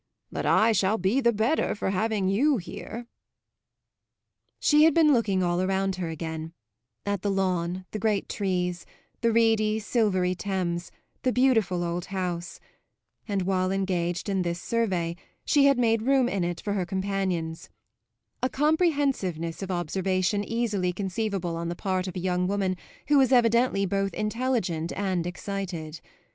But I shall be the better for having you here." She had been looking all round her again at the lawn, the great trees, the reedy, silvery Thames, the beautiful old house; and while engaged in this survey she had made room in it for her companions; a comprehensiveness of observation easily conceivable on the part of a young woman who was evidently both intelligent and excited.